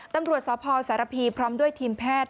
ตำรวจสพสารพีพร้อมด้วยทีมแพทย์